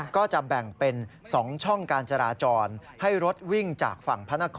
ก็จะแบ่งเป็น๒ช่องการจราจรให้รถวิ่งจากฝั่งพระนคร